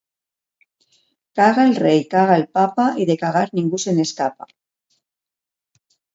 Caga el rei, caga el papa, i de cagar ningú se n'escapa.